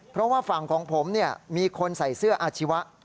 เพราะว่าฝั่งของผมมีคนใส่เสื้ออาชีวะ